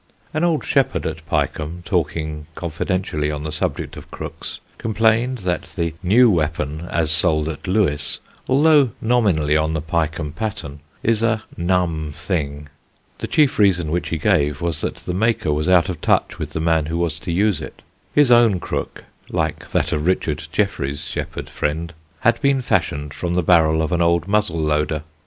An old shepherd at Pyecombe, talking confidentially on the subject of crooks, complained that the new weapon as sold at Lewes, although nominally on the Pyecombe pattern, is a "numb thing." The chief reason which he gave was that the maker was out of touch with the man who was to use it. His own crook (like that of Richard Jefferies' shepherd friend) had been fashioned from the barrel of an old muzzle loader.